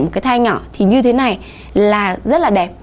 một cái thai nhỏ thì như thế này là rất là đẹp